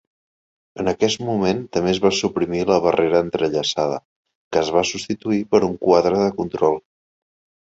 En aquest moment també es va suprimir la barrera entrellaçada, que es va substituir per un quadre de control.